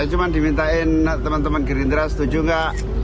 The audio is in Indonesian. saya cuma diminta teman teman gerindra setuju tidak